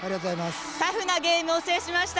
タフなゲームを制しました。